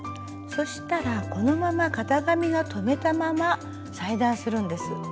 そしたらこのまま型紙を留めたまま裁断するんです。